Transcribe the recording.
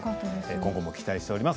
今後も期待しています。